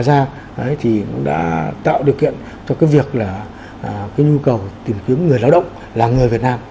ra đấy thì cũng đã tạo điều kiện cho cái việc là cái nhu cầu tìm kiếm người lao động là người việt nam